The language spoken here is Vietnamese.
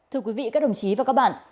thưa quý vị các đồng chí và các bạn